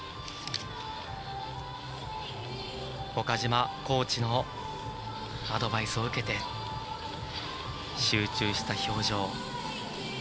岡島コーチのアドバイスを受けて集中した表情。